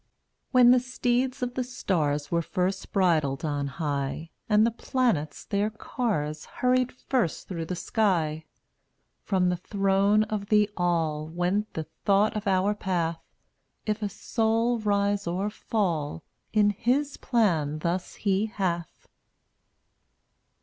1 1 9 When the steeds of the stars Were first bridled on high, And the planets their cars Hurried first through the sky, From the Throne of the All Went the thought of our path; If a soul rise or fall — In His plan thus He hath.